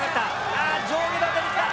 ああ上下動出てきた。